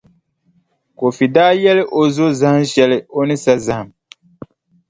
Kofi daa yɛli o zo zahinʼ shɛli o ni sa zahim.